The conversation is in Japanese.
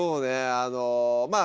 あのまあ